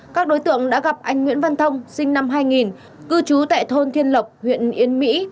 các đối tượng đã gặp anh nguyễn văn thông sinh năm hai nghìn cư trú tại thôn thiên lộc huyện yên mỹ